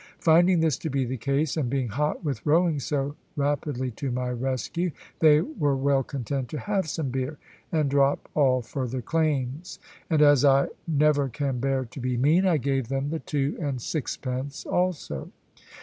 Finding this to be the case, and being hot with rowing so rapidly to my rescue, they were well content to have some beer, and drop all further claims. And as I never can bear to be mean, I gave them the two and sixpence also.